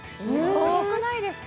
すごくないですか？